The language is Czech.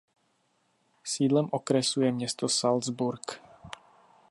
Sídlem okresu je město Salzburg.